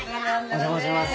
お邪魔します。